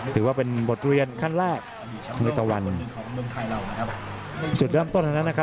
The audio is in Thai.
ถือว่าเป็นบทเรียนขั้นแรกในเอตวันจุดรับต้นไหนนั่นนะครับ